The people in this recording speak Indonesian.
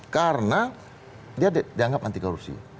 karena dia dianggap anti korupsi